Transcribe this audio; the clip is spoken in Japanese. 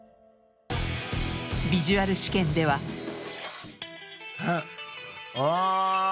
ビジュアル試験ではあっお！